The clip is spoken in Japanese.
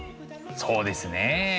そうですね。